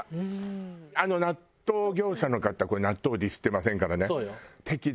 あの納豆業者の方これ納豆をディスってませんからね。